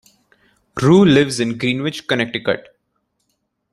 Ruh lives in Greenwich, Connecticut.